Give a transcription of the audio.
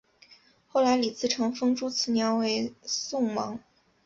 后来李自成封朱慈烺为宋王。